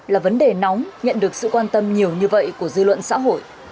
là vấn đề nóng nhận được sự quan tâm nhiều như vậy của dư luận xã hội